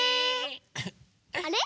あれ？